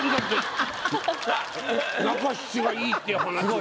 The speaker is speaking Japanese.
中七がいいっていう話を。